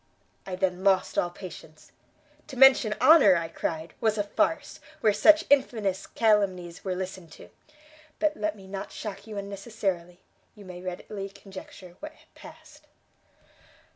I then lost all patience; to mention honour, I cried, was a farce, where such infamous calumnies were listened to; but let me not shock you unnecessarily, you may readily conjecture what passed."